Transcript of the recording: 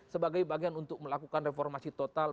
sebagai bagian untuk melakukan reformasi total